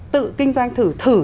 tự kinh doanh thử thử